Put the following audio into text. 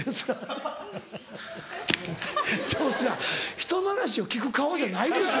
ひとの話を聞く顔じゃないですよ。